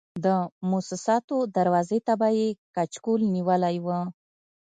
د موسساتو دروازې ته به یې کچکول نیولی و.